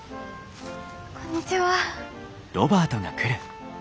こんにちは。